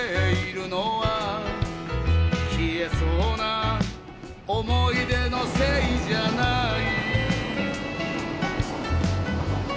「消えそうな思い出のせいじゃない」